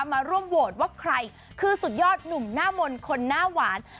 มาร่วมโหวตว่าใครคือสุดยอดหนุ่มหน้ามนต์คนหน้าหวาน